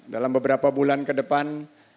dalam beberapa bulan ke depan